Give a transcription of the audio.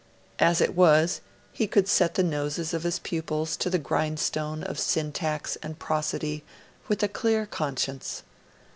As it was, he could set the noses of his pupils to the grindstone of syntax and prosody with a clear conscience.